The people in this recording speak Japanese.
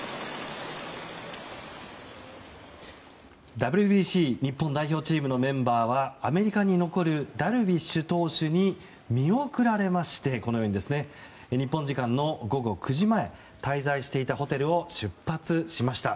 ＷＢＣ日本代表チームのメンバーはアメリカに残るダルビッシュ投手に見送られて日本時間の午後９時前滞在していたホテルを出発しました。